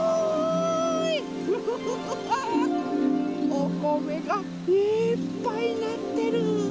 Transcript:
おこめがいっぱいなってる。